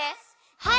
はい！